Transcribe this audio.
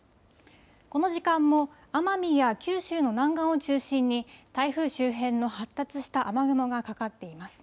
この時間も奄美や九州の南岸を中心に台風周辺の発達した雨雲がかかっています。